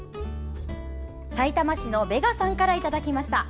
さいたま市のべがさんからいただきました。